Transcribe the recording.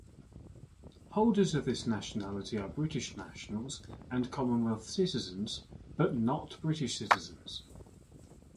Holders of this nationality are British nationals and Commonwealth citizens, but not British citizens.